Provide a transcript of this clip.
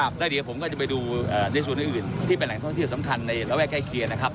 แล้วเดี๋ยวผมก็จะไปดูในส่วนอื่นที่เป็นแหล่งท่องเที่ยวสำคัญในระแวกใกล้เคียงนะครับ